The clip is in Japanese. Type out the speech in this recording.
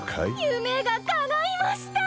夢が叶いました！